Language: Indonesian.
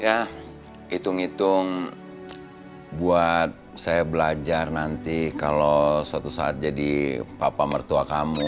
ya hitung hitung buat saya belajar nanti kalau suatu saat jadi papa mertua kamu